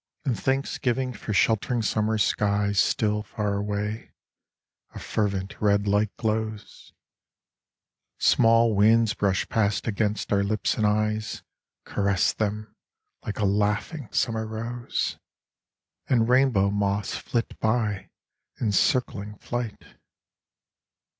In thanksgiving for shelf ring summer skies Still, far away, a fervent red light glows. Small winds brush past against our lips and eyes, Caress them like a laughing summer rose, And rainbow moths flit by, in circling flight.